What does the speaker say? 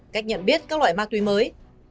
cách nhận biết các loại ma túy mới